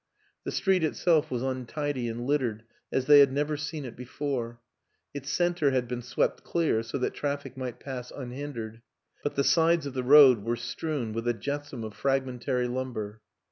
The street itself was untidy and littered as they had never seen it before; its center had been swept clear, so that traffic might pass unhindered, but the sides of the road were strewn with a jetsam of frag mentary lumber.